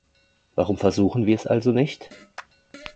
Warum versuchen wir es also nicht?